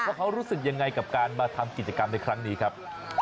ว่าเขารู้สึกยังไงกับการมาทำกิจกรรมในครั้งนี้ครับ